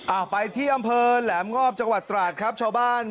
เอาไปที่อำเภอแหลมงอบจังหวัดตราดครับชาวบ้าน